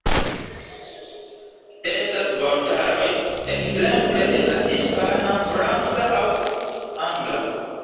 Estas vortaroj ekzemple en la Hispana, Franca aŭ Angla.